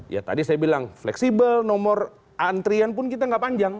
ya tadi saya bilang fleksibel nomor antrian pun kita nggak panjang